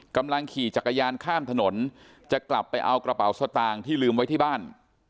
กำลังขี่จักรยานข้ามถนนจะกลับไปเอากระเป๋าสตางค์ที่ลืมไว้ที่บ้าน